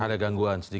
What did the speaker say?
ada gangguan sedikit